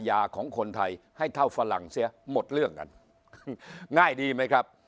ของคนไทยให้เท่าฝรั่งเสียหมดเรื่องกันง่ายดีไหมครับ